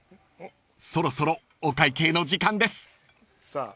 ［そろそろお会計の時間です］さあ。